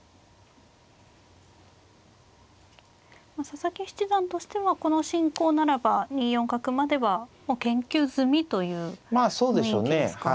佐々木七段としてはこの進行ならば２四角まではもう研究済みという雰囲気ですか。